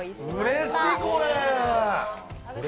うれしい、これ！